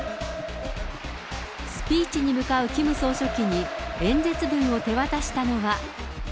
スピーチに向かうキム総書記に演説文を手渡したのは。